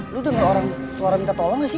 lu denger orang suara minta tolong gak sih